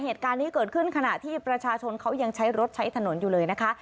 เหตุการณ์นี้เกิดขึ้นขณะที่ประชาชนเขายังใช้รถใช้ถนนอยู่เลยนะคะ